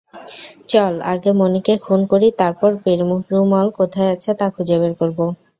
চল আগে মনিকে খুন করি, তারপর, পেরুমল কোথায় আছে তা খুঁজে বের করব।